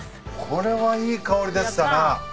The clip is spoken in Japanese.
これはいい香りですわな。